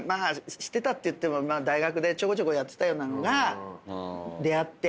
してたっていっても大学でちょこちょこやってたようなのが出会って。